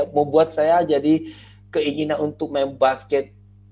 kamu buat saya jadi keinginan untuk main basket